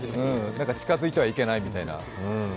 なんか、近づいてはいけないみたいな。